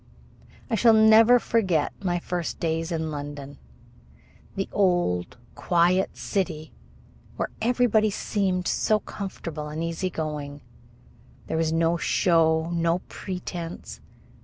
I shall never forget my first day in London, the old, quiet city where everybody seemed so comfortable and easy going. There was no show, no pretense.